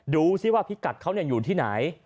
ดูสิว่าพิกัดเขาอยู่ที่ไหน